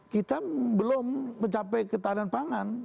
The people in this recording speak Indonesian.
kita belum mencapai ketahanan pangan